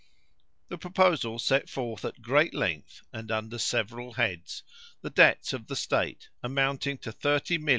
The proposal set forth at great length, and under several heads, the debts of the state, amounting to 30,981,712l.